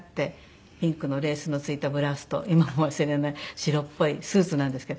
ピンクのレースの付いたブラウスと今も忘れない白っぽいスーツなんですけど。